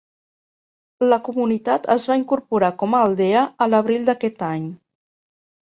La comunitat es va incorporar com a aldea a l'abril d'aquest any.